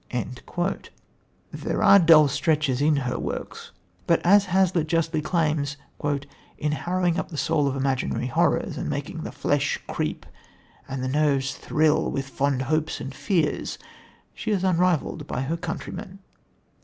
" There are dull stretches in all her works, but, as Hazlitt justly claims, "in harrowing up the soul with imaginary horrors, and making the flesh creep and the nerves thrill with fond hopes and fears, she is unrivalled among her countrymen."